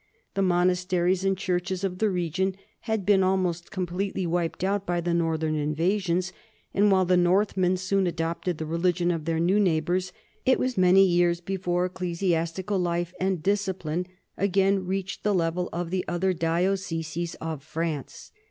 The monasteries and churches of the region had been almost completely wiped out by the northern invasions, and while the Northmen soon adopted the religion of their new neighbors, it was many years before ecclesiastical life and discipline again reached the level of the other dioceses of France.